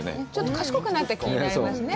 賢くなった気になりますね